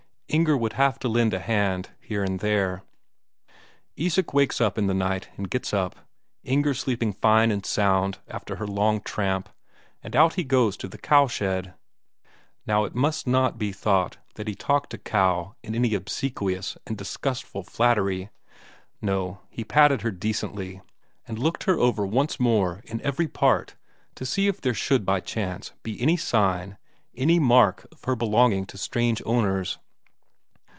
Inger would have to lend a hand here and there. Isak wakes in the night and gets up, Inger sleeping fine and sound after her long tramp, and out he goes to the cowshed. Now it must not be thought that he talked to Cow in any obsequious and disgustful flattery; no, he patted her decently, and looked her over once more in every part, to see if there should, by chance, be any sign, any mark of her belonging to strange owners.